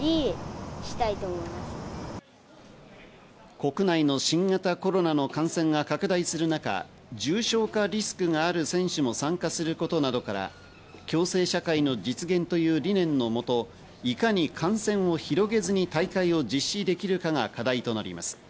国内の新型コロナの感染が拡大する中、重症化リスクがある選手も参加することなどから、共生社会の実現という理念のもと、いかに感染を広げずに大会を実施できるかが課題となります。